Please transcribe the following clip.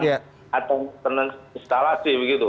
atau peralatan instalasi